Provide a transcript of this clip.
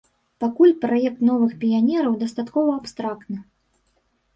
Пакуль праект новых піянераў дастаткова абстрактны.